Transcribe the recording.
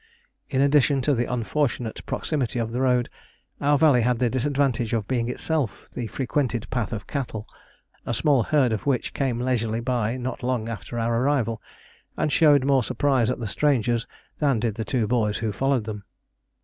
In addition to the unfortunate proximity of the road, our valley had the disadvantage of being itself the frequented path of cattle, a small herd of which came leisurely by not long after our arrival and showed more surprise at the strangers than did the two boys who followed them.